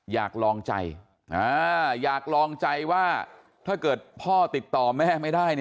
อยากลองใจอยากลองใจว่าถ้าเกิดพ่อติดต่อแม่ไม่ได้